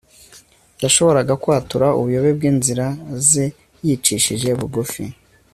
yashoboraga kwatura ubuyobe bw'inzira ze yicishije bugufi